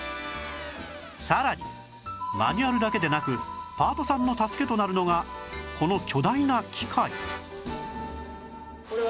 さらにマニュアルだけでなくパートさんの助けとなるのがこの巨大な機械